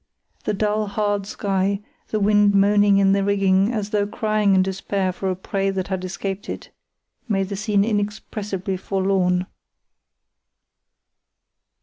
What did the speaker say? The dull, hard sky, the wind moaning in the rigging as though crying in despair for a prey that had escaped it, made the scene inexpressibly forlorn.